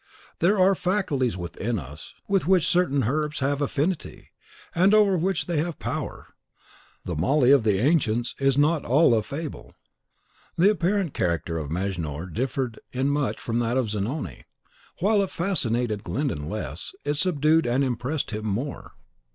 There are faculties within us with which certain herbs have affinity, and over which they have power. The moly of the ancients is not all a fable." The apparent character of Mejnour differed in much from that of Zanoni; and while it fascinated Glyndon less, it subdued and impressed him more.